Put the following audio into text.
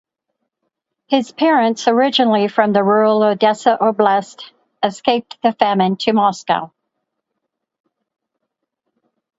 His parents, originally from the rural Odessa Oblast, escaped the famine to Moscow.